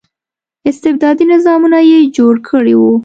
استبدادي نظامونه یې جوړ کړي وو.